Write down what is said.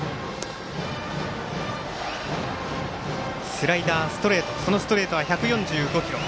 スライダー、ストレートそのストレートは１４５キロ。